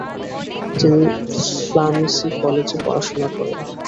তিনি ফ্লামেসি কলেজে পড়াশুনা করেন।